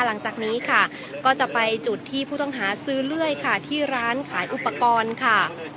หลังจากนี้ค่ะก็จะไปจุดที่ผู้ต้องหาซื้อเลื่อยค่ะที่ร้านขายอุปกรณ์ค่ะ